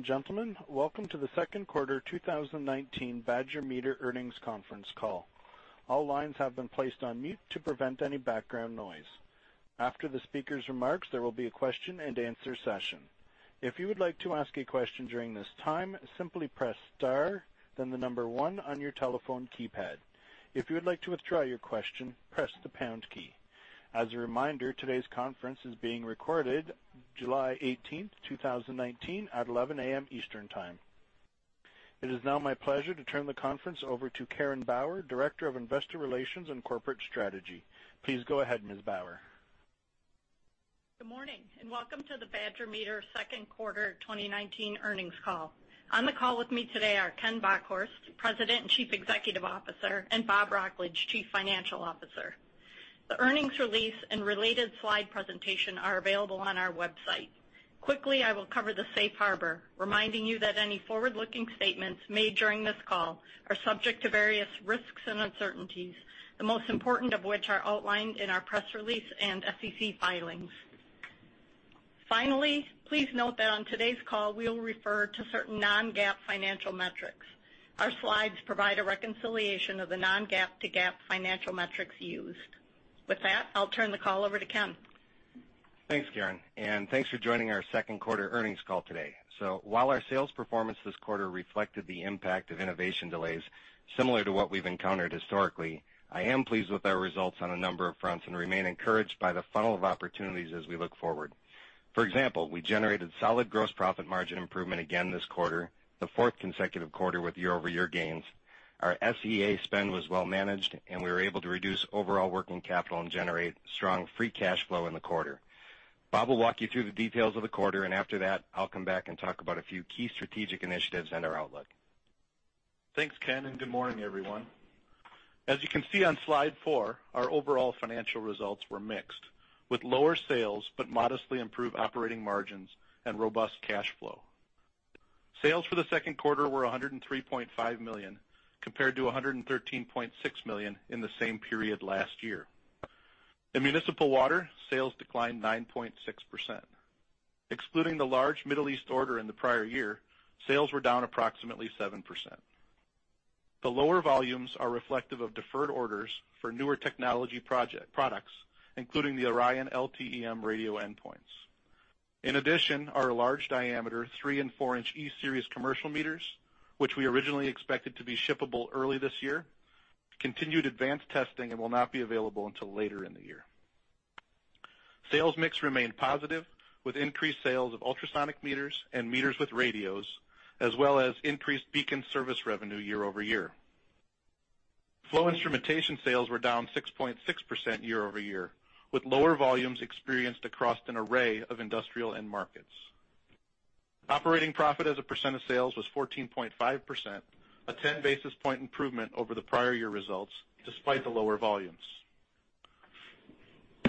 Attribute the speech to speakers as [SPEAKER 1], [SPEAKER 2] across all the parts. [SPEAKER 1] Ladies and gentlemen, welcome to the second quarter 2019 Badger Meter earnings conference call. All lines have been placed on mute to prevent any background noise. After the speaker's remarks, there will be a question and answer session. If you would like to ask a question during this time, simply press star, then 1 on your telephone keypad. If you would like to withdraw your question, press the pound key. As a reminder, today's conference is being recorded July 18, 2019 at 11:00 A.M. Eastern time. It is now my pleasure to turn the conference over to Karen Bauer, Director of Investor Relations and Corporate Strategy. Please go ahead, Ms. Bauer.
[SPEAKER 2] Good morning, welcome to the Badger Meter second quarter 2019 earnings call. On the call with me today are Ken Bockhorst, President and Chief Executive Officer, and Bob Wrocklage, Chief Financial Officer. The earnings release and related slide presentation are available on our website. Quickly, I will cover the safe harbor, reminding you that any forward-looking statements made during this call are subject to various risks and uncertainties, the most important of which are outlined in our press release and SEC filings. Finally, please note that on today's call, we will refer to certain non-GAAP financial metrics. Our slides provide a reconciliation of the non-GAAP to GAAP financial metrics used. I'll turn the call over to Ken.
[SPEAKER 3] Thanks, Karen, thanks for joining our second quarter earnings call today. While our sales performance this quarter reflected the impact of innovation delays, similar to what we've encountered historically, I am pleased with our results on a number of fronts and remain encouraged by the funnel of opportunities as we look forward. For example, we generated solid gross profit margin improvement again this quarter, the fourth consecutive quarter with year-over-year gains. Our SEA spend was well managed, we were able to reduce overall working capital and generate strong free cash flow in the quarter. Bob will walk you through the details of the quarter, after that, I'll come back and talk about a few key strategic initiatives and our outlook.
[SPEAKER 4] Thanks, Ken, good morning, everyone. As you can see on slide four, our overall financial results were mixed with lower sales modestly improved operating margins and robust cash flow. Sales for the second quarter were $103.5 million, compared to $113.6 million in the same period last year. In municipal water, sales declined 9.6%. Excluding the large Middle East order in the prior year, sales were down approximately 7%. The lower volumes are reflective of deferred orders for newer technology products, including the ORION LTE-M radio endpoints. In addition, our large diameter 3- and 4-inch E-Series commercial meters, which we originally expected to be shippable early this year, continued advanced testing and will not be available until later in the year. Sales mix remained positive, with increased sales of ultrasonic meters and meters with radios, as well as increased BEACON service revenue year-over-year. Flow instrumentation sales were down 6.6% year-over-year, with lower volumes experienced across an array of industrial end markets. Operating profit as a percent of sales was 14.5%, a 10 basis points improvement over the prior year results, despite the lower volumes.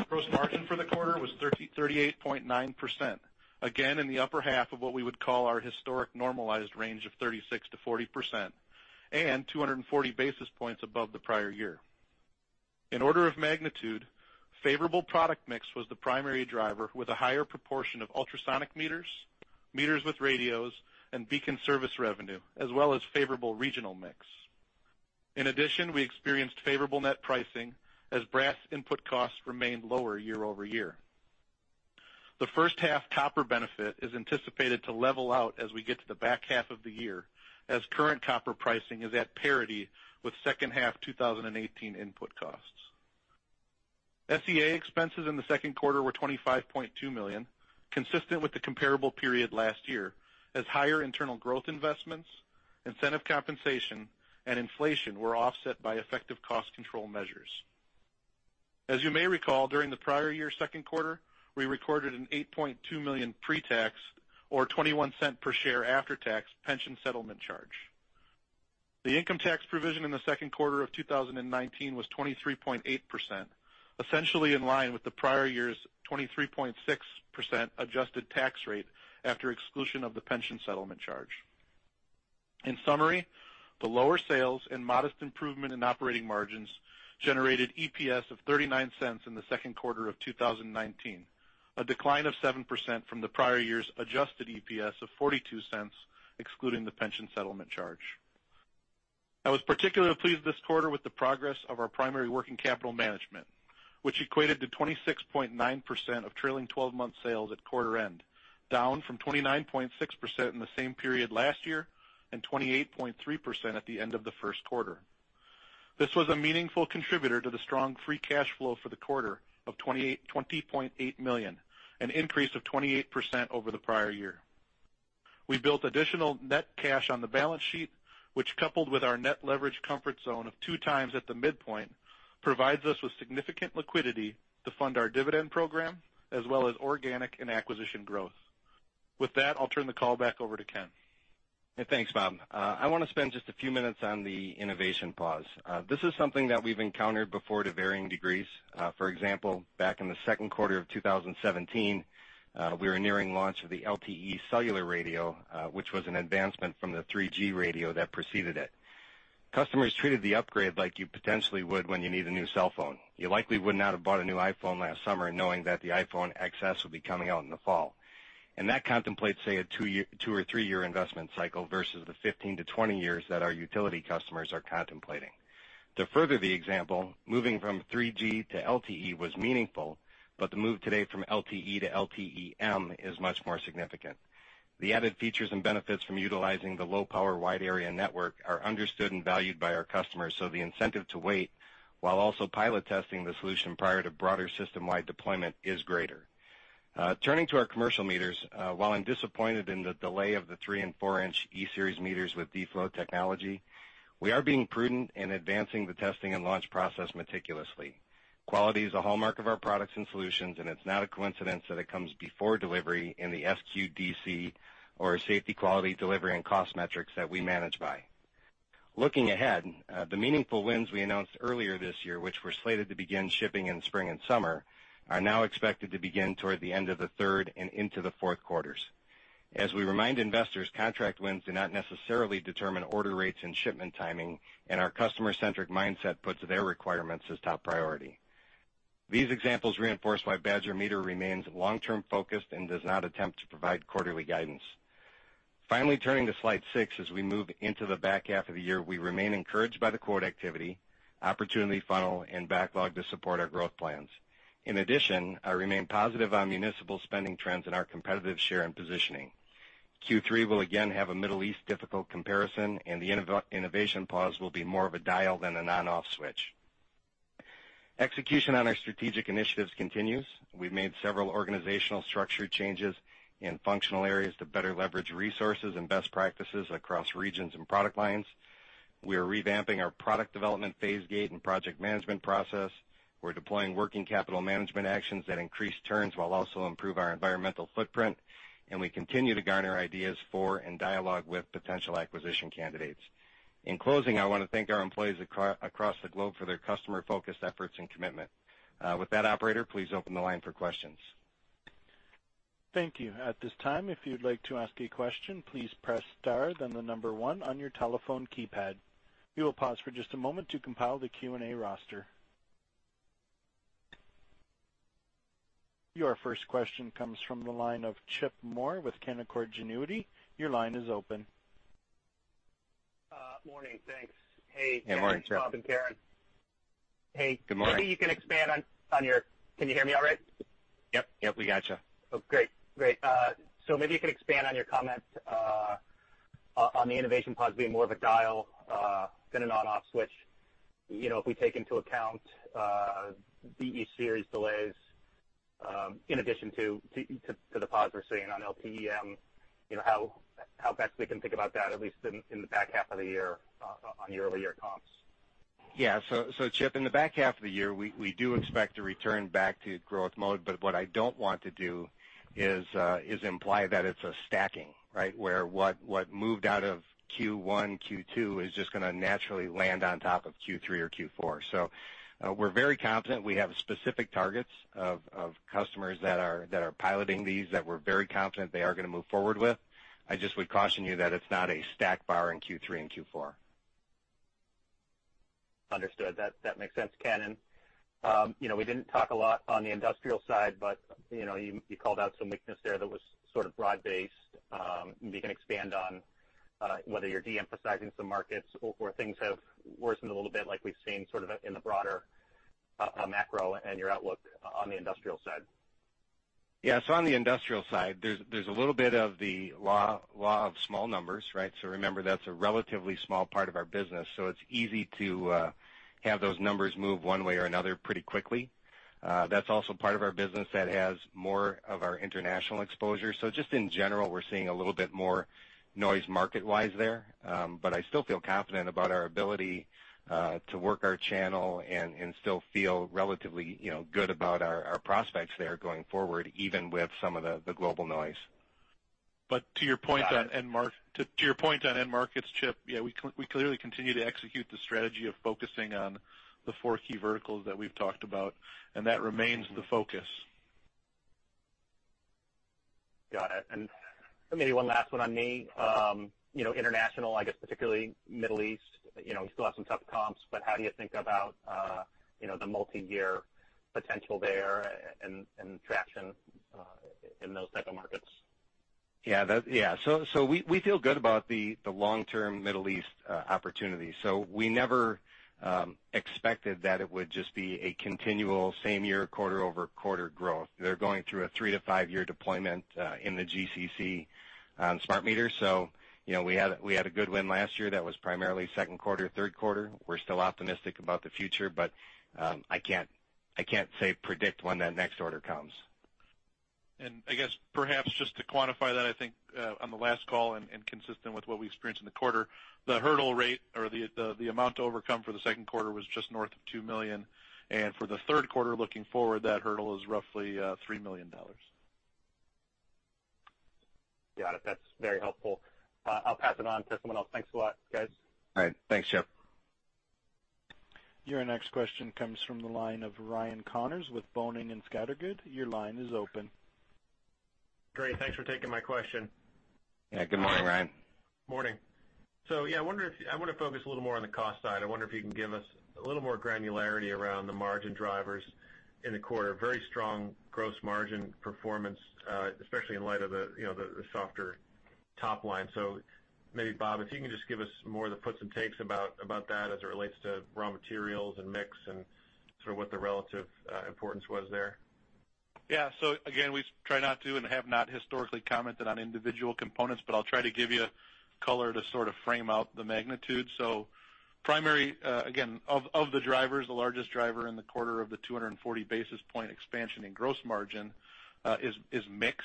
[SPEAKER 4] Gross margin for the quarter was 38.9%, again in the upper half of what we would call our historic normalized range of 36%-40%, and 240 basis points above the prior year. In order of magnitude, favorable product mix was the primary driver, with a higher proportion of ultrasonic meters with radios, and BEACON service revenue, as well as favorable regional mix. In addition, we experienced favorable net pricing as brass input costs remained lower year-over-year. The first-half copper benefit is anticipated to level out as we get to the back half of the year, as current copper pricing is at parity with second half 2018 input costs. SEA expenses in the second quarter were $25.2 million, consistent with the comparable period last year, as higher internal growth investments, incentive compensation, and inflation were offset by effective cost control measures. As you may recall, during the prior year's second quarter, we recorded an $8.2 million pre-tax or $0.21 per share after-tax pension settlement charge. The income tax provision in the second quarter of 2019 was 23.8%, essentially in line with the prior year's 23.6% adjusted tax rate after exclusion of the pension settlement charge. In summary, the lower sales and modest improvement in operating margins generated EPS of $0.39 in the second quarter of 2019, a decline of 7% from the prior year's adjusted EPS of $0.42, excluding the pension settlement charge. I was particularly pleased this quarter with the progress of our primary working capital management, which equated to 26.9% of trailing 12-month sales at quarter end, down from 29.6% in the same period last year and 28.3% at the end of the first quarter. This was a meaningful contributor to the strong free cash flow for the quarter of $20.8 million, an increase of 28% over the prior year. We built additional net cash on the balance sheet, which, coupled with our net leverage comfort zone of 2 times at the midpoint, provides us with significant liquidity to fund our dividend program as well as organic and acquisition growth. With that, I'll turn the call back over to Ken.
[SPEAKER 3] Thanks, Bob. I want to spend just a few minutes on the innovation pause. This is something that we've encountered before to varying degrees. For example, back in the second quarter of 2017, we were nearing launch of the LTE cellular radio, which was an advancement from the 3G radio that preceded it. Customers treated the upgrade like you potentially would when you need a new cell phone. You likely would not have bought a new iPhone last summer knowing that the iPhone XS would be coming out in the fall. That contemplates, say, a two or three-year investment cycle versus the 15 to 20 years that our utility customers are contemplating. To further the example, moving from 3G to LTE was meaningful, but the move today from LTE to LTE-M is much more significant. The added features and benefits from utilizing the low-power wide-area network are understood and valued by our customers, so the incentive to wait, while also pilot testing the solution prior to broader system-wide deployment, is greater. Turning to our commercial meters. While I am disappointed in the delay of the three and four-inch E-Series meters with D-Flow technology, we are being prudent in advancing the testing and launch process meticulously. Quality is a hallmark of our products and solutions, and it is not a coincidence that it comes before delivery in the SQDC or safety, quality, delivery, and cost metrics that we manage by. Looking ahead, the meaningful wins we announced earlier this year, which were slated to begin shipping in spring and summer, are now expected to begin toward the end of the third and into the fourth quarters. As we remind investors, contract wins do not necessarily determine order rates and shipment timing, and our customer-centric mindset puts their requirements as top priority. These examples reinforce why Badger Meter remains long-term focused and does not attempt to provide quarterly guidance. Finally, turning to slide six. As we move into the back half of the year, we remain encouraged by the quote activity, opportunity funnel, and backlog to support our growth plans. In addition, I remain positive on municipal spending trends and our competitive share and positioning. Q3 will again have a Middle East difficult comparison, and the innovation pause will be more of a dial than an on/off switch. Execution on our strategic initiatives continues. We have made several organizational structure changes in functional areas to better leverage resources and best practices across regions and product lines. We are revamping our product development phase gate and project management process. We are deploying working capital management actions that increase turns while also improve our environmental footprint. We continue to garner ideas for, and dialogue with, potential acquisition candidates. In closing, I want to thank our employees across the globe for their customer-focused efforts and commitment. With that, operator, please open the line for questions.
[SPEAKER 1] Thank you. At this time, if you'd like to ask a question, please press star, then the number 1 on your telephone keypad. We will pause for just a moment to compile the Q&A roster. Your first question comes from the line of Chip Moore with Canaccord Genuity. Your line is open.
[SPEAKER 5] Morning. Thanks. Hey.
[SPEAKER 3] Hey, morning, Chip.
[SPEAKER 5] Thanks, Bob and Karen. Hey.
[SPEAKER 3] Good morning.
[SPEAKER 5] Maybe you can expand on your. Can you hear me all right?
[SPEAKER 3] Yep. We got you.
[SPEAKER 5] Oh, great. Maybe you can expand on your comment on the innovation pause being more of a dial than an on/off switch. If we take into account the E-Series delays, in addition to the pause we're seeing on LTE-M, how best we can think about that, at least in the back half of the year on year-over-year comps.
[SPEAKER 3] Yeah, Chip, in the back half of the year, we do expect to return back to growth mode. What I don't want to do is imply that it's a stacking. Where what moved out of Q1, Q2 is just going to naturally land on top of Q3 or Q4. We're very confident. We have specific targets of customers that are piloting these that we're very confident they are going to move forward with. I just would caution you that it's not a stack bar in Q3 and Q4.
[SPEAKER 5] Understood. That makes sense, Ken. We didn't talk a lot on the industrial side, but you called out some weakness there that was sort of broad-based. Maybe you can expand on whether you're de-emphasizing some markets or things have worsened a little bit like we've seen sort of in the broader macro and your outlook on the industrial side.
[SPEAKER 3] Yeah. On the industrial side, there's a little bit of the law of small numbers. Remember, that's a relatively small part of our business. It's easy to have those numbers move one way or another pretty quickly. That's also part of our business that has more of our international exposure. Just in general, we're seeing a little bit more noise market-wise there. I still feel confident about our ability to work our channel and still feel relatively good about our prospects there going forward, even with some of the global noise.
[SPEAKER 4] To your point on end markets, Chip, yeah, we clearly continue to execute the strategy of focusing on the four key verticals that we've talked about, and that remains the focus.
[SPEAKER 5] Got it. Maybe one last one on me. International, I guess particularly Middle East, you still have some tough comps, but how do you think about the multi-year potential there and traction in those type of markets?
[SPEAKER 3] Yeah. We feel good about the long-term Middle East opportunity. We never expected that it would just be a continual same-year quarter-over-quarter growth. They're going through a 3-to-5-year deployment in the GCC on smart meters. We had a good win last year that was primarily second quarter, third quarter. We're still optimistic about the future, but I can't say predict when that next order comes.
[SPEAKER 4] I guess perhaps just to quantify that, I think on the last call and consistent with what we experienced in the quarter, the hurdle rate or the amount to overcome for the second quarter was just north of $2 million. For the third quarter looking forward, that hurdle is roughly $3 million.
[SPEAKER 5] Got it. That's very helpful. I'll pass it on to someone else. Thanks a lot, guys.
[SPEAKER 3] All right. Thanks, Chip.
[SPEAKER 1] Your next question comes from the line of Ryan Connors with Boenning and Scattergood. Your line is open.
[SPEAKER 6] Great. Thanks for taking my question.
[SPEAKER 3] Yeah. Good morning, Ryan.
[SPEAKER 6] Morning. I want to focus a little more on the cost side. I wonder if you can give us a little more granularity around the margin drivers in the quarter. Very strong gross margin performance, especially in light of the softer top line. Maybe, Bob, if you can just give us more of the puts and takes about that as it relates to raw materials and mix and sort of what the relative importance was there.
[SPEAKER 4] Yeah. Again, we try not to and have not historically commented on individual components, but I'll try to give you color to sort of frame out the magnitude. Primary, again, of the drivers, the largest driver in the quarter of the 240 basis point expansion in gross margin, is mix.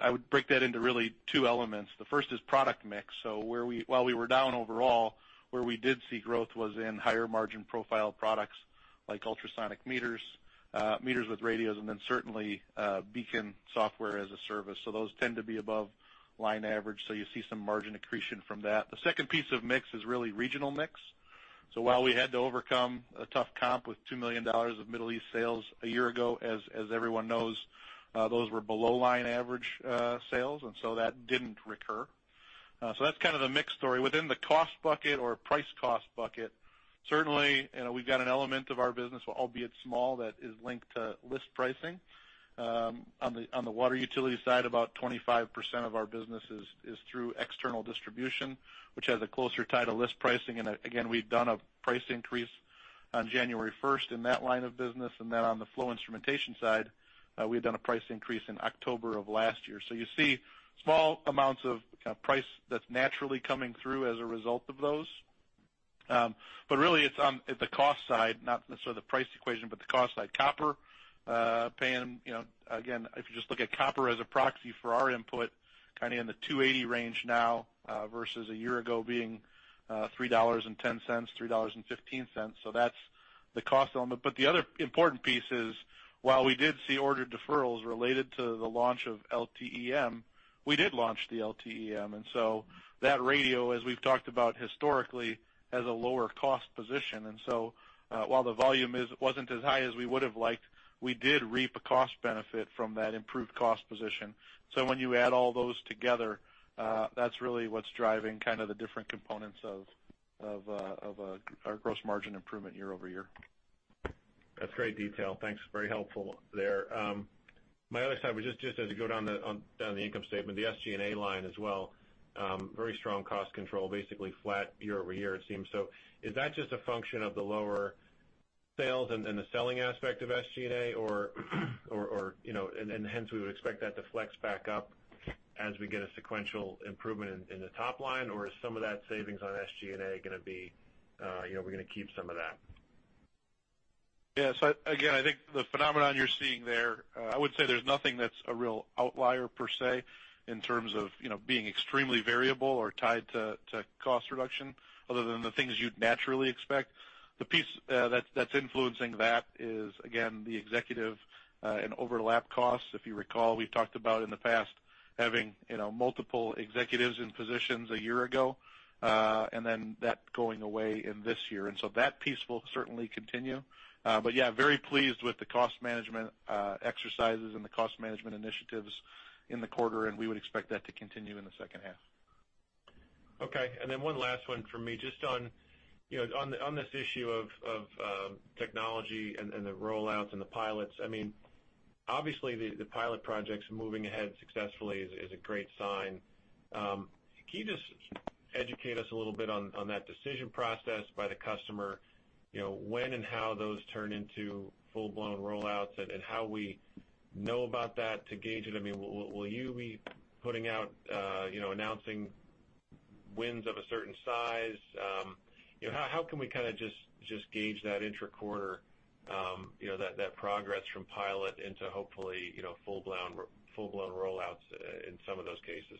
[SPEAKER 4] I would break that into really two elements. The first is product mix. While we were down overall, where we did see growth was in higher margin profile products like ultrasonic meters with radios, and then certainly BEACON software as a service. Those tend to be above line average, so you see some margin accretion from that. The second piece of mix is really regional mix. While we had to overcome a tough comp with $2 million of Middle East sales a year ago, as everyone knows, those were below line average, sales, that didn't recur. That's kind of the mix story. Within the cost bucket or price cost bucket, certainly, we've got an element of our business, albeit small, that is linked to list pricing. On the water utility side, about 25% of our business is through external distribution, which has a closer tie to list pricing. Again, we've done a price increase on January 1st in that line of business. Then on the flow instrumentation side, we had done a price increase in October of last year. You see small amounts of price that's naturally coming through as a result of those. Really, it's on the cost side, not necessarily the price equation, but the cost side. Copper, paying, again, if you just look at copper as a proxy for our input, kind of in the $2.80 range now, versus a year ago being $3.10, $3.15. That's the cost element. The other important piece is, while we did see order deferrals related to the launch of LTE-M, we did launch the LTE-M, that radio, as we've talked about historically, has a lower cost position. While the volume wasn't as high as we would've liked, we did reap a cost benefit from that improved cost position. When you add all those together, that's really what's driving kind of the different components of our gross margin improvement year-over-year.
[SPEAKER 6] That's great detail. Thanks. Very helpful there. My other side was just as you go down the income statement, the SG&A line as well, very strong cost control, basically flat year-over-year, it seems. Is that just a function of the lower sales and the selling aspect of SG&A and hence we would expect that to flex back up as we get a sequential improvement in the top line? Is some of that savings on SG&A we're going to keep some of that?
[SPEAKER 4] Yeah. Again, I think the phenomenon you're seeing there, I would say there's nothing that's a real outlier per se in terms of being extremely variable or tied to cost reduction other than the things you'd naturally expect. The piece that's influencing that is, again, the executive and overlap costs. If you recall, we've talked about in the past having multiple executives in positions a year ago, and then that going away in this year. That piece will certainly continue. Yeah, very pleased with the cost management exercises and the cost management initiatives in the quarter, and we would expect that to continue in the second half.
[SPEAKER 6] Okay. One last one from me. Just on this issue of technology and the rollouts and the pilots, obviously, the pilot projects moving ahead successfully is a great sign. Can you just educate us a little bit on that decision process by the customer, when and how those turn into full-blown rollouts, and how we know about that to gauge it? Will you be putting out, announcing wins of a certain size? How can we just gauge that intra-quarter, that progress from pilot into hopefully, full-blown rollouts in some of those cases?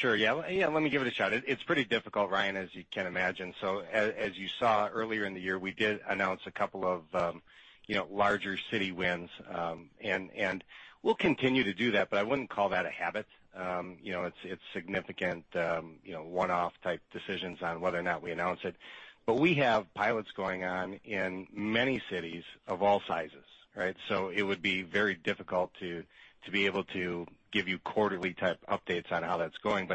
[SPEAKER 3] Sure. Yeah. Let me give it a shot. It's pretty difficult, Ryan, as you can imagine. As you saw earlier in the year, we did announce a couple of larger city wins. We'll continue to do that, but I wouldn't call that a habit. It's significant one-off type decisions on whether or not we announce it. We have pilots going on in many cities of all sizes. Right? It would be very difficult to be able to give you quarterly type updates on how that's going.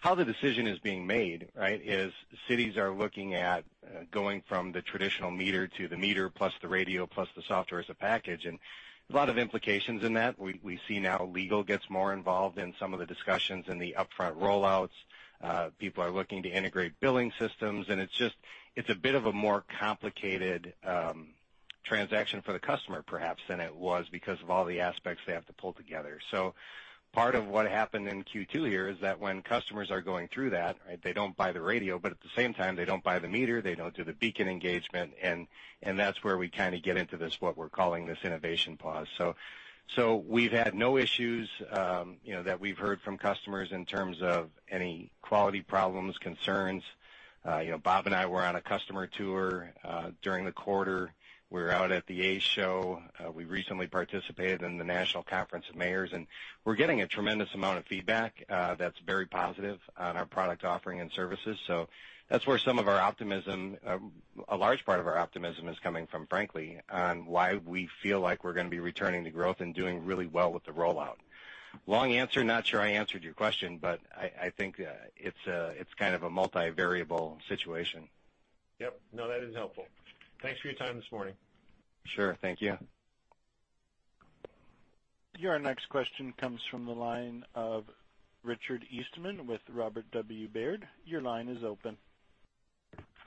[SPEAKER 3] How the decision is being made, right, is cities are looking at going from the traditional meter to the meter plus the radio plus the software as a package. There's a lot of implications in that. We see now legal gets more involved in some of the discussions in the upfront rollouts. People are looking to integrate billing systems, and it's a bit of a more complicated transaction for the customer, perhaps, than it was because of all the aspects they have to pull together. Part of what happened in Q2 here is that when customers are going through that, they don't buy the radio, but at the same time, they don't buy the meter. They don't do the BEACON engagement. That's where we kind of get into this, what we're calling this innovation pause. We've had no issues that we've heard from customers in terms of any quality problems, concerns. Bob and I were on a customer tour during the quarter. We were out at the ACE show. We recently participated in the United States Conference of Mayors, and we're getting a tremendous amount of feedback that's very positive on our product offering and services. That's where some of our optimism, a large part of our optimism is coming from, frankly, on why we feel like we're going to be returning to growth and doing really well with the rollout. Long answer. Not sure I answered your question, but I think it's kind of a multi-variable situation.
[SPEAKER 6] Yep. No, that is helpful. Thanks for your time this morning.
[SPEAKER 3] Sure. Thank you.
[SPEAKER 1] Your next question comes from the line of Richard Eastman with Robert W. Baird. Your line is open.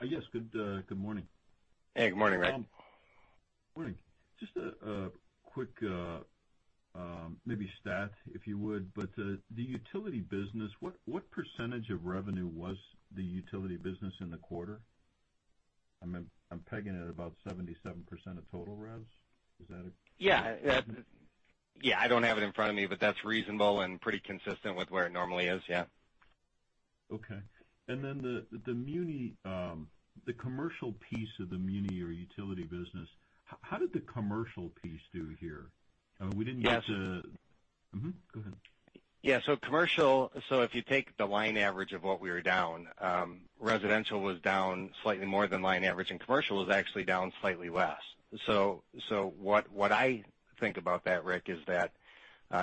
[SPEAKER 7] Yes. Good morning.
[SPEAKER 3] Hey, good morning, Rick.
[SPEAKER 7] Morning. Just a quick, maybe stat, if you would, the utility business, what percentage of revenue was the utility business in the quarter? I'm pegging it about 77% of total revs. Is that it?
[SPEAKER 3] Yeah. I don't have it in front of me, but that's reasonable and pretty consistent with where it normally is. Yeah.
[SPEAKER 7] Okay. The commercial piece of the muni or utility business, how did the commercial piece do here?
[SPEAKER 3] Yes.
[SPEAKER 7] Go ahead.
[SPEAKER 3] Yeah. Commercial, if you take the line average of what we were down, residential was down slightly more than line average, and commercial was actually down slightly less. What I think about that, Rick, is that,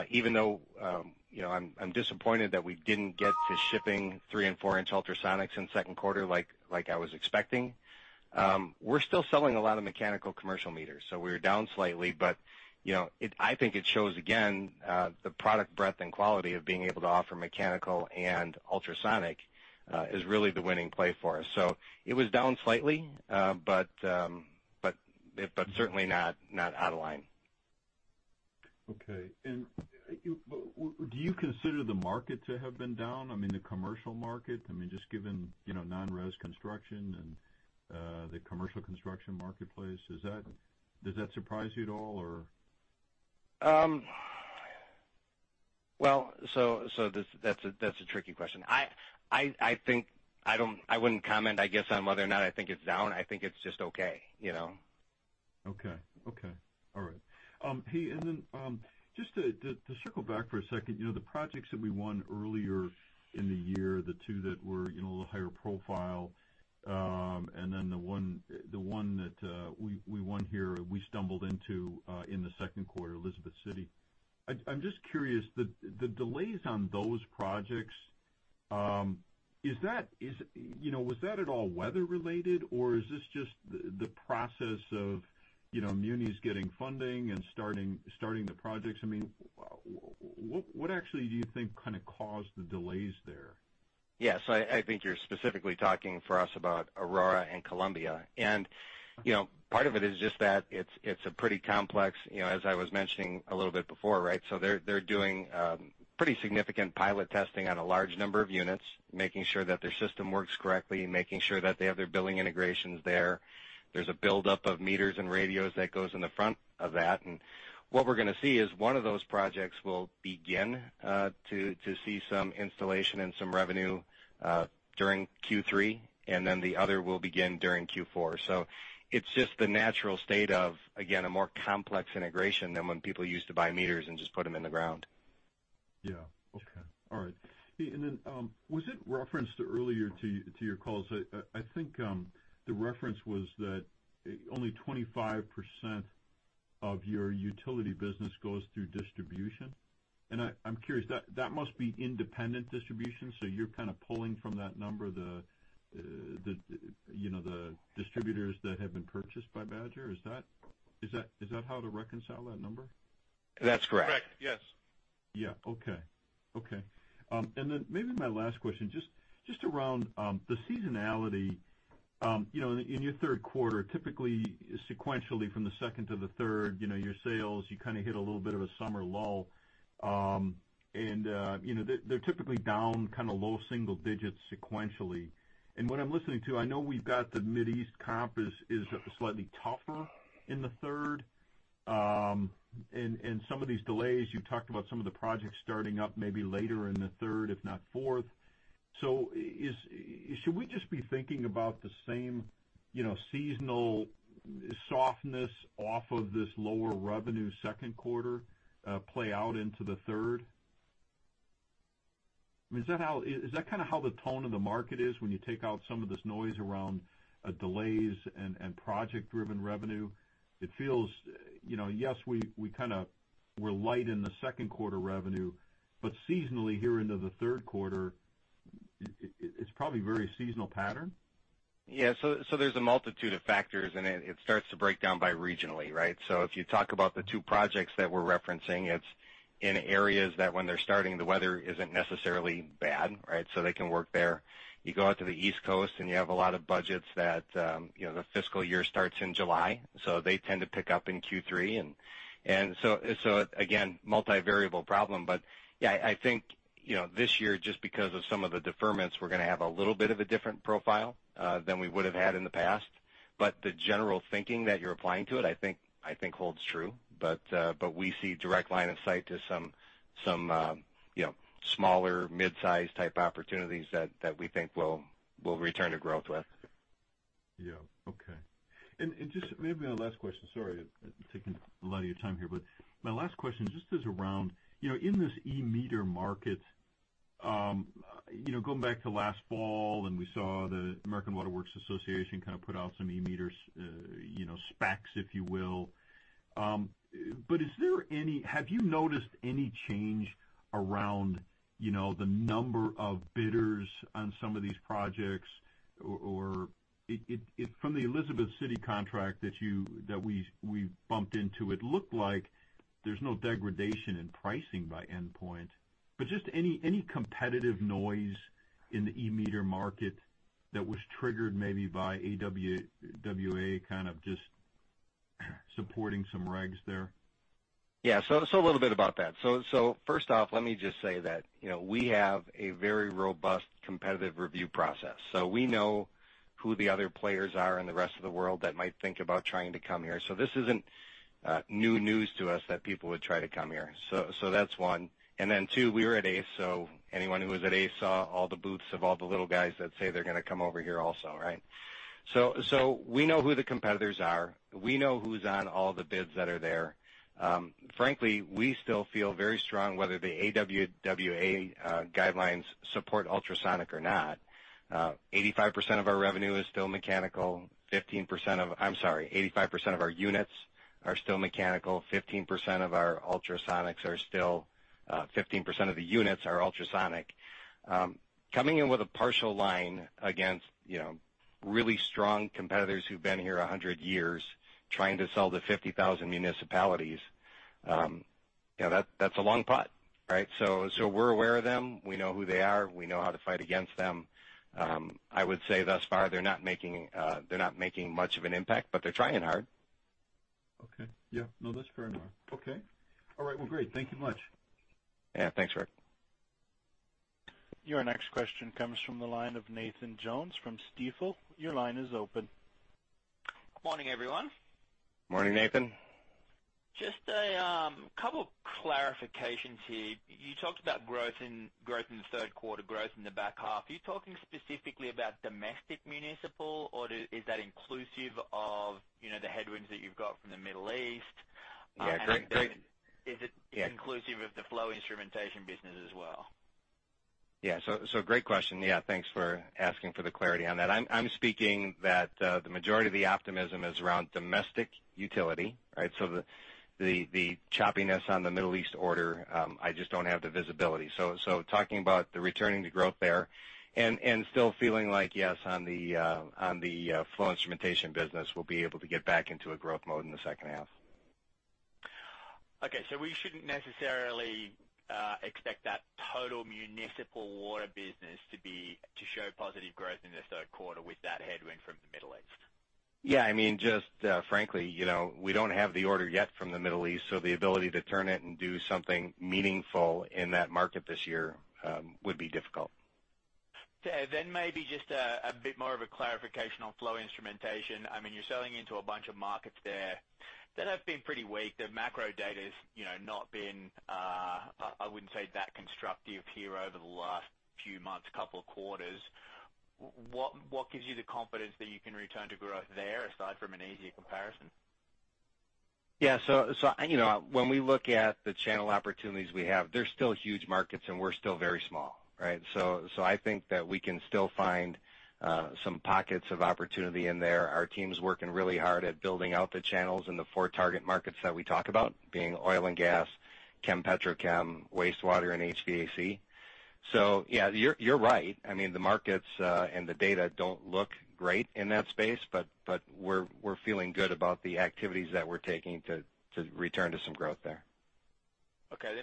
[SPEAKER 3] even though, I'm disappointed that we didn't get to shipping three and four-inch ultrasonics in second quarter like I was expecting, we're still selling a lot of mechanical commercial meters. We were down slightly, but I think it shows again, the product breadth and quality of being able to offer mechanical and ultrasonic, is really the winning play for us. It was down slightly, but certainly not out of line.
[SPEAKER 7] Okay. Do you consider the market to have been down? I mean, the commercial market, just given, non-res construction and the commercial construction marketplace. Does that surprise you at all?
[SPEAKER 3] That's a tricky question. I wouldn't comment, I guess, on whether or not I think it's down. I think it's just okay.
[SPEAKER 7] Okay. All right. Just to circle back for a second, the projects that we won earlier in the year, the two that were a little higher profile, and then the one that we won here, we stumbled into in the second quarter, Elizabeth City. I'm just curious, the delays on those projects, was that at all weather related, or is this just the process of munis getting funding and starting the projects? What actually do you think kind of caused the delays there?
[SPEAKER 3] Yeah. I think you're specifically talking for us about Aurora and Columbia, part of it is just that it's pretty complex, as I was mentioning a little bit before, right? They're doing pretty significant pilot testing on a large number of units, making sure that their system works correctly and making sure that they have their billing integrations there. There's a buildup of meters and radios that goes in the front of that. What we're going to see is one of those projects will begin to see some installation and some revenue, during Q3, and then the other will begin during Q4. It's just the natural state of, again, a more complex integration than when people used to buy meters and just put them in the ground.
[SPEAKER 7] Yeah. Okay. All right. Hey, was it referenced earlier to your calls? I think, the reference was that only 25% of your utility business goes through distribution. I'm curious, that must be independent distribution, so you're kind of pulling from that number the distributors that have been purchased by Badger. Is that how to reconcile that number?
[SPEAKER 4] That's correct. Correct. Yes.
[SPEAKER 7] Yeah. Okay. Maybe my last question, just around the seasonality. In your third quarter, typically, sequentially from the second to the third, your sales, you kind of hit a little bit of a summer lull. They're typically down low single digits sequentially. What I'm listening to, I know we've got the Mideast comp is slightly tougher in the third. Some of these delays, you talked about some of the projects starting up maybe later in the third, if not fourth. Should we just be thinking about the same seasonal softness off of this lower revenue second quarter play out into the third? Is that how the tone of the market is when you take out some of this noise around delays and project-driven revenue? It feels, yes, we're light in the second quarter revenue, but seasonally here into the third quarter, it's probably a very seasonal pattern.
[SPEAKER 3] Yeah. There's a multitude of factors, it starts to break down by regionally, right? If you talk about the two projects that we're referencing, it's in areas that when they're starting, the weather isn't necessarily bad, right? They can work there. You go out to the East Coast, you have a lot of budgets that the fiscal year starts in July. They tend to pick up in Q3. Again, multi-variable problem, yeah, I think, this year, just because of some of the deferments, we're going to have a little bit of a different profile than we would've had in the past. The general thinking that you're applying to it, I think holds true. We see direct line of sight to some smaller mid-size type opportunities that we think we'll return to growth with.
[SPEAKER 7] Yeah. Okay. Just maybe my last question, sorry, I'm taking a lot of your time here, my last question just is around, in this e-meter market, going back to last fall, we saw the American Water Works Association kind of put out some e-meters specs, if you will. Have you noticed any change around the number of bidders on some of these projects? From the Elizabeth City contract that we bumped into, it looked like there's no degradation in pricing by endpoint, just any competitive noise in the e-meter market that was triggered maybe by AWWA kind of just supporting some regs there?
[SPEAKER 3] Yeah. A little bit about that. First off, let me just say that we have a very robust competitive review process. We know who the other players are in the rest of the world that might think about trying to come here. This isn't new news to us that people would try to come here. That's one. Two, we were at ACE, so anyone who was at ACE saw all the booths of all the little guys that say they're going to come over here also, right? We know who the competitors are. We know who's on all the bids that are there. Frankly, we still feel very strong whether the AWWA guidelines support ultrasonic or not. 85% of our revenue is still mechanical. I'm sorry, 85% of our units are still mechanical. 15% of the units are ultrasonic. Coming in with a partial line against really strong competitors who've been here 100 years trying to sell to 50,000 municipalities, that's a long pot, right? We're aware of them. We know who they are. We know how to fight against them. I would say thus far, they're not making much of an impact, but they're trying hard.
[SPEAKER 7] Okay. Yeah. No, that's fair enough. Okay. All right. Well, great. Thank you much.
[SPEAKER 3] Yeah, thanks, Rick.
[SPEAKER 1] Your next question comes from the line of Nathan Jones from Stifel. Your line is open.
[SPEAKER 8] Morning, everyone.
[SPEAKER 3] Morning, Nathan.
[SPEAKER 8] Just a couple clarifications here. You talked about growth in the third quarter, growth in the back half. Are you talking specifically about domestic municipal, or is that inclusive of the headwinds that you've got from the Middle East?
[SPEAKER 3] Yeah.
[SPEAKER 8] Is it inclusive of the flow instrumentation business as well?
[SPEAKER 3] Yeah. Great question. Yeah, thanks for asking for the clarity on that. I'm speaking that the majority of the optimism is around domestic utility, right? The choppiness on the Middle East order, I just don't have the visibility. Talking about the returning to growth there and still feeling like, yes, on the flow instrumentation business, we'll be able to get back into a growth mode in the second half.
[SPEAKER 8] Okay. We shouldn't necessarily expect that total municipal water business to show positive growth in the third quarter with that headwind from the Middle East.
[SPEAKER 3] Just frankly, we don't have the order yet from the Middle East, so the ability to turn it and do something meaningful in that market this year would be difficult.
[SPEAKER 8] Maybe just a bit more of a clarification on flow instrumentation. You're selling into a bunch of markets there that have been pretty weak. The macro data's not been, I wouldn't say that constructive here over the last few months, couple of quarters. What gives you the confidence that you can return to growth there aside from an easier comparison?
[SPEAKER 3] When we look at the channel opportunities we have, they're still huge markets, and we're still very small, right? I think that we can still find some pockets of opportunity in there. Our team's working really hard at building out the channels in the four target markets that we talk about, being oil and gas, chem/petrochem, wastewater, and HVAC. You're right. The markets and the data don't look great in that space, but we're feeling good about the activities that we're taking to return to some growth there.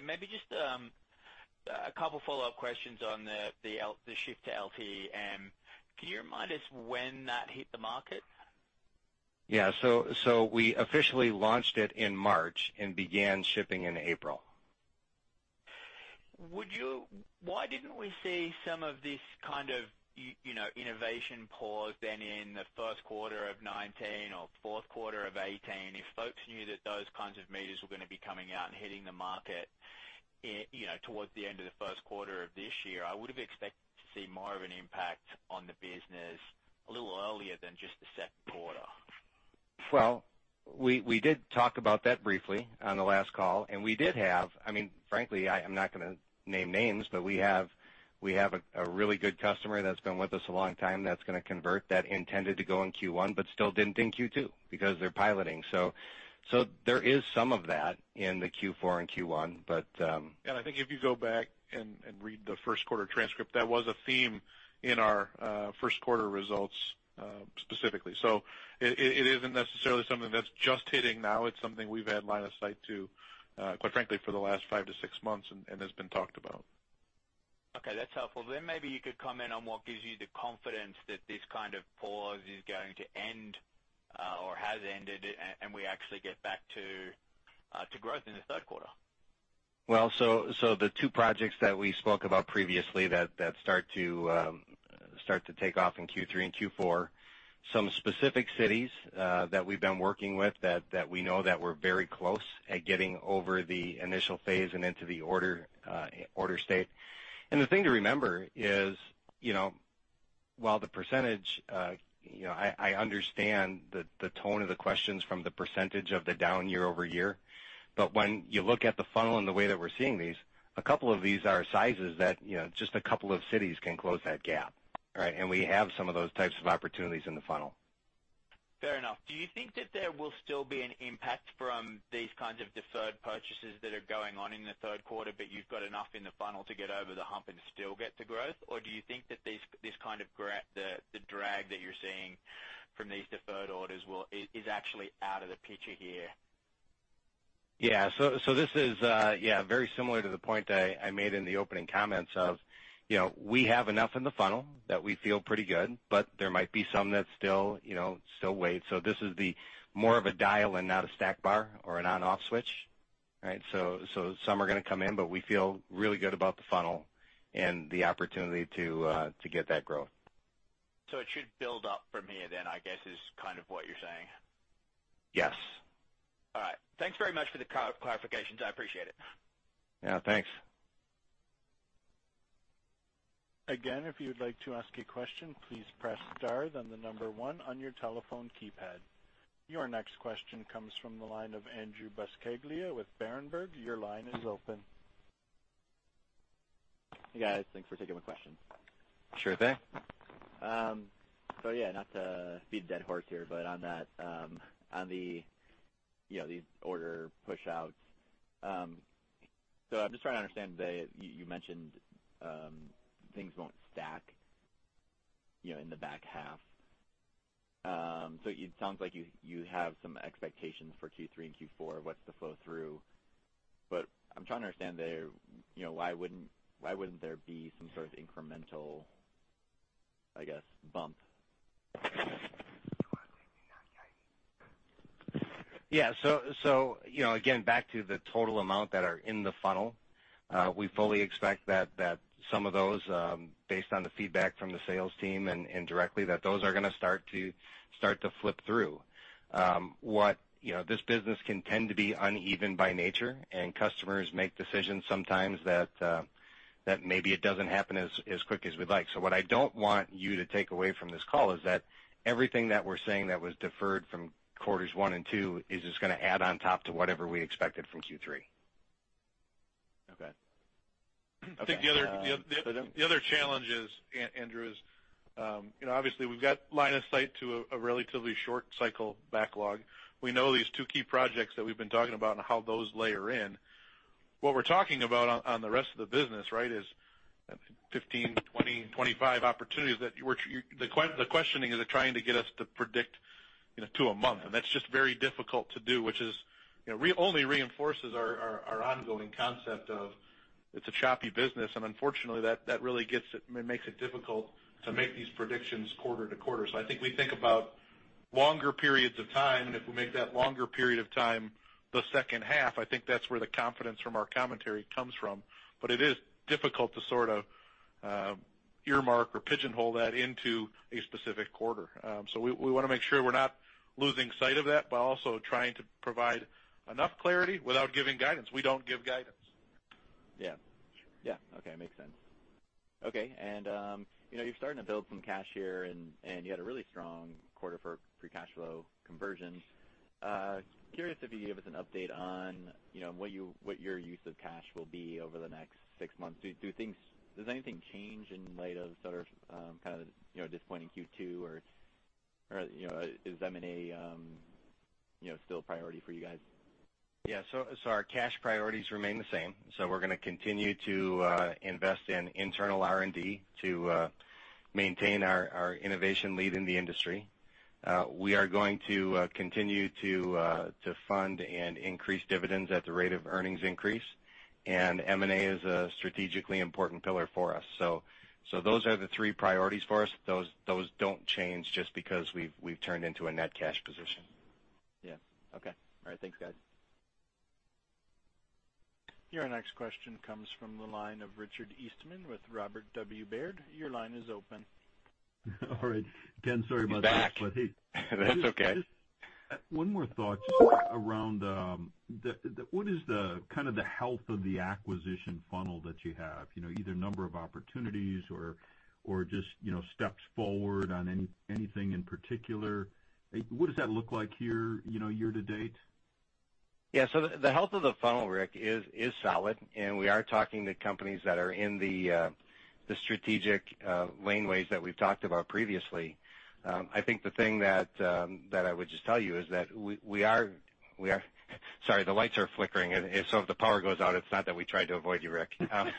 [SPEAKER 8] Maybe just a couple follow-up questions on the shift to LTE. Can you remind us when that hit the market?
[SPEAKER 3] Yeah. We officially launched it in March and began shipping in April.
[SPEAKER 8] Why didn't we see some of this kind of innovation pause in the first quarter of 2019 or fourth quarter of 2018? If folks knew that those kinds of meters were going to be coming out and hitting the market towards the end of the first quarter of this year, I would've expected to see more of an impact on the business a little earlier than just the second quarter.
[SPEAKER 3] Well, we did talk about that briefly on the last call. We did have frankly, I'm not going to name names, but we have a really good customer that's been with us a long time that's going to convert that intended to go in Q1, but still didn't in Q2 because they're piloting. There is some of that in the Q4 and Q1.
[SPEAKER 2] I think if you go back and read the first quarter transcript, that was a theme in our first quarter results, specifically. It isn't necessarily something that's just hitting now. It's something we've had line of sight to, quite frankly, for the last five to six months and has been talked about.
[SPEAKER 8] Okay, that's helpful. Maybe you could comment on what gives you the confidence that this kind of pause is going to end, or has ended, and we actually get back to growth in the third quarter.
[SPEAKER 3] The two projects that we spoke about previously that start to take off in Q3 and Q4, some specific cities that we've been working with that we know that we're very close at getting over the initial phase and into the order state. The thing to remember is, while the percentage, I understand the tone of the questions from the percentage of the down year-over-year. When you look at the funnel and the way that we're seeing these, a couple of these are sizes that just a couple of cities can close that gap. All right. We have some of those types of opportunities in the funnel.
[SPEAKER 8] Fair enough. Do you think that there will still be an impact from these kinds of deferred purchases that are going on in the third quarter, you've got enough in the funnel to get over the hump and still get the growth? Do you think that the drag that you're seeing from these deferred orders is actually out of the picture here?
[SPEAKER 3] Yeah. This is very similar to the point I made in the opening comments of, we have enough in the funnel that we feel pretty good, there might be some that still wait. This is the more of a dial and not a stack bar or an on/off switch. Right? Some are going to come in, we feel really good about the funnel and the opportunity to get that growth.
[SPEAKER 8] It should build up from here then, I guess is kind of what you're saying.
[SPEAKER 3] Yes.
[SPEAKER 8] All right. Thanks very much for the clarifications. I appreciate it.
[SPEAKER 3] Yeah. Thanks.
[SPEAKER 1] Again, if you'd like to ask a question, please press star, then the number one on your telephone keypad. Your next question comes from the line of Andrew Buscaglia with Berenberg. Your line is open.
[SPEAKER 9] Hey, guys. Thanks for taking my question.
[SPEAKER 3] Sure thing.
[SPEAKER 9] Yeah. Not to beat a dead horse here, but on these order push-outs, I'm just trying to understand, you mentioned things won't stack in the back half. It sounds like you have some expectations for Q3 and Q4 of what's to flow through. I'm trying to understand there, why wouldn't there be some sort of incremental, I guess, bump?
[SPEAKER 3] Yeah. Again, back to the total amount that are in the funnel. We fully expect that some of those, based on the feedback from the sales team and directly, that those are going to start to flip through. This business can tend to be uneven by nature, and customers make decisions sometimes that maybe it doesn't happen as quick as we'd like. What I don't want you to take away from this call is that everything that we're saying that was deferred from quarters one and two is just going to add on top to whatever we expected from Q3.
[SPEAKER 9] Okay.
[SPEAKER 3] Okay.
[SPEAKER 4] I think the other challenge, Andrew, is obviously we've got line of sight to a relatively short cycle backlog. We know these two key projects that we've been talking about and how those layer in. What we're talking about on the rest of the business is 15, 20, 25 opportunities that the questioning is they're trying to get us to predict to a month, and that's just very difficult to do, which only reinforces our ongoing concept of it's a choppy business. Unfortunately, that really makes it difficult to make these predictions quarter-to-quarter. I think we think about longer periods of time, and if we make that longer period of time the second half, I think that's where the confidence from our commentary comes from. But it is difficult to sort of earmark or pigeonhole that into a specific quarter. We want to make sure we're not losing sight of that, but also trying to provide enough clarity without giving guidance. We don't give guidance.
[SPEAKER 9] Yeah. Okay. Makes sense. Okay. You're starting to build some cash here, and you had a really strong quarter for free cash flow conversion. Curious if you could give us an update on what your use of cash will be over the next six months. Does anything change in light of sort of disappointing Q2, or is M&A still a priority for you guys?
[SPEAKER 3] Yeah. Our cash priorities remain the same. We're going to continue to invest in internal R&D to maintain our innovation lead in the industry. We are going to continue to fund and increase dividends at the rate of earnings increase, and M&A is a strategically important pillar for us. Those are the three priorities for us. Those don't change just because we've turned into a net cash position.
[SPEAKER 9] Yeah. Okay. All right. Thanks, guys.
[SPEAKER 1] Your next question comes from the line of Richard Eastman with Robert W. Baird. Your line is open.
[SPEAKER 7] All right, Ken, sorry about that. You're back. hey. That's okay. Just one more thought just around what is the kind of the health of the acquisition funnel that you have? Either number of opportunities or just steps forward on anything in particular. What does that look like year to date?
[SPEAKER 3] Yeah. The health of the funnel, Rick, is solid, and we are talking to companies that are in the strategic laneways that we've talked about previously. I think the thing that I would just tell you is that Sorry, the lights are flickering. If the power goes out, it's not that we tried to avoid you, Rick. I'm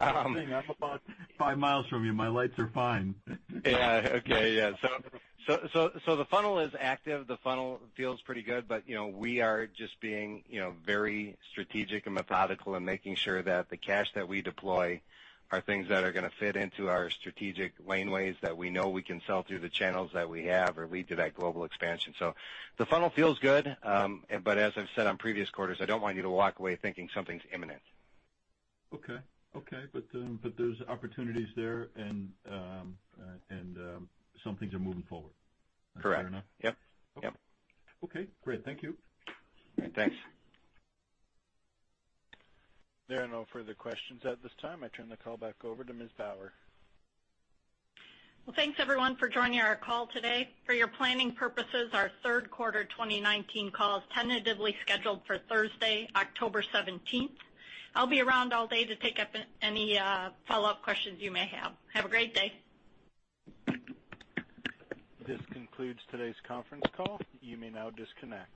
[SPEAKER 3] about five miles from you. My lights are fine. The funnel is active. The funnel feels pretty good. We are just being very strategic and methodical and making sure that the cash that we deploy are things that are going to fit into our strategic laneways that we know we can sell through the channels that we have or lead to that global expansion. The funnel feels good. As I've said on previous quarters, I don't want you to walk away thinking something's imminent.
[SPEAKER 7] Okay. There's opportunities there, and some things are moving forward.
[SPEAKER 3] Correct.
[SPEAKER 7] Is that fair enough? Yep. Okay, great. Thank you.
[SPEAKER 3] Thanks.
[SPEAKER 1] There are no further questions at this time. I turn the call back over to Ms. Bauer.
[SPEAKER 2] Well, thanks everyone for joining our call today. For your planning purposes, our third quarter 2019 call is tentatively scheduled for Thursday, October 17th. I'll be around all day to take up any follow-up questions you may have. Have a great day.
[SPEAKER 1] This concludes today's conference call. You may now disconnect.